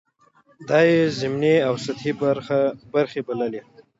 دا یې ضمني او سطحې برخې بللې.